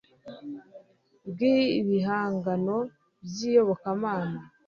bw ibihangano by iyobokamana